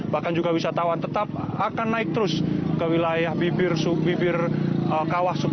bahkan juga wisata tetap akan naik terus ke wilayah bibirkawa